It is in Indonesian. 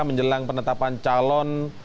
menjelang penetapan calon